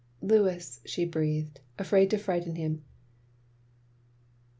"Louis!" she breathed, afraid to frighten him.